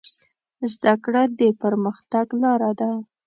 زده کړه د پرمختګ لاره ده.